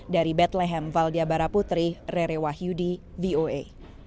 dari bethlehem valdia baraputri rere wahyudi voa